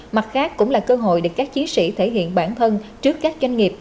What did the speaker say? mặt khác cũng là cơ hội để các chiến sĩ thể hiện bản thân trước các doanh nghiệp